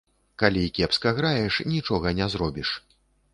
Калі кепска граеш, нічога не зробіш.